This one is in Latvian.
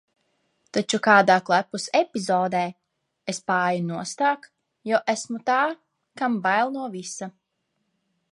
Taču kādā klepus epizodē, es paeju nostāk, jo esmu tā, kam bail no visa.